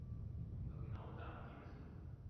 Aber genau darum geht es doch.